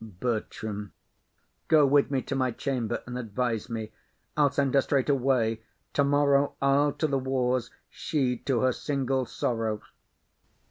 BERTRAM. Go with me to my chamber and advise me. I'll send her straight away. Tomorrow I'll to the wars, she to her single sorrow.